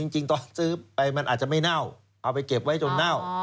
จริงตอนซื้อไปมันอาจจะไม่เน่าเอาไปเก็บไว้จนเน่า